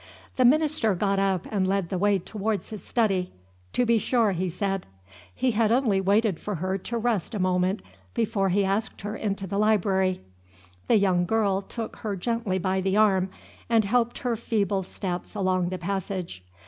The minister got up and led the way towards his study. "To be sure," he said; he had only waited for her to rest a moment before he asked her into the library. The young girl took her gently by the arm, and helped her feeble steps along the passage.